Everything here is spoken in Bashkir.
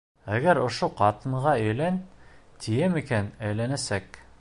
Әгәр ошо ҡатынға өйлән, тием икән, әйләнәсәк.